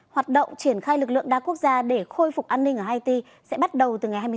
hoạt động triển khai lực lượng đa quốc gia để khôi phục an ninh ở haiti sẽ bắt đầu từ ngày hai mươi sáu tháng năm